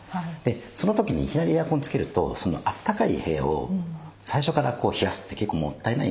その時にいきなりエアコンつけるとあったかい部屋を最初から冷やすって結構もったいないんですよね。